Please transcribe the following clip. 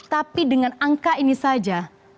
tapi dengan angka ini saja